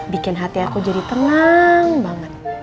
bikin hati aku jadi tenang banget